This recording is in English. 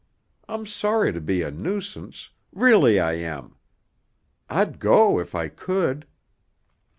I'm sorry to be a nuisance, really I am. I'd go if I could."